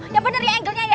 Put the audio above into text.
ya bener ya angle nya ya